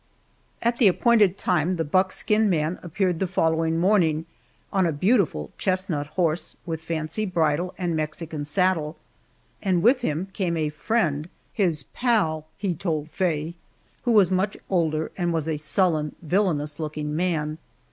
At the appointed time the buckskin man appeared the following morning on a beautiful chestnut horse with fancy bridle and Mexican saddle, and with him came a friend, his "pal" he told Faye, who was much older and was a sullen, villainous looking man.